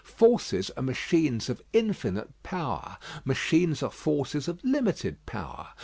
Forces are machines of infinite power. Machines are forces of limited power.